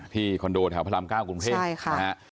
ที่คอนโดแถวพระราม๙กรุงเทพฯค่ะใช่ค่ะ